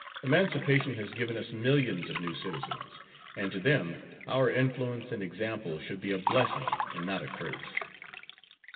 Emancipation has given us millions of new citizens, and to them our influence and example should be a blessing and not a curse."